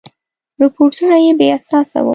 رپوټونه بې اساسه وه.